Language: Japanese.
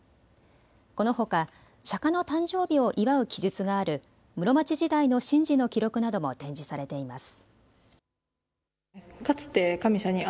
このほか釈迦の誕生日を祝う記述がある室町時代の神事の記録なども展示されています。